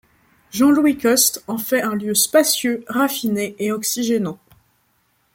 Jean-Louis Costes en fait un lieu spacieux, raffiné et oxygénant.